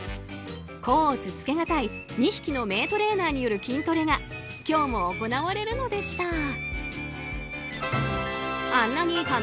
甲乙つけがたい２匹の名トレーナーによる筋トレが今日も行われるのでした。